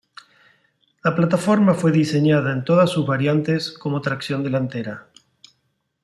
La plataforma fue diseñada en todas sus variantes como tracción delantera.